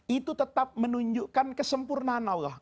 itu tetap menunjukkan kesempurnaan allah